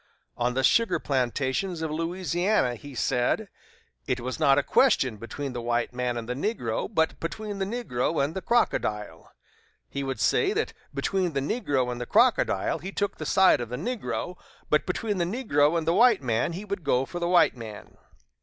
On the sugar plantations of Louisiana he said, it was not a question between the white man and the negro, but between the negro and the crocodile. He would say that between the negro and the crocodile, he took the side of the negro; but between the negro and the white man, he would go for the white man.